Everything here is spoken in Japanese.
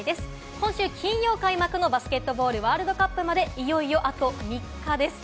今週金曜開幕のバスケットボールワールドカップまでいよいよあと３日です。